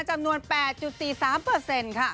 จำนวน๘๔๓เปอร์เซ็นต์ค่ะ